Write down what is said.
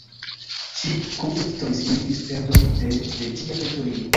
Ĉi konfliktoj signifis perdon de de ĝia teritorio.